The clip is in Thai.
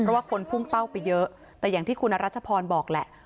เพราะว่าคนพุ่งเป้าไปเยอะแต่อย่างที่คุณอรัชพรบอกแหละ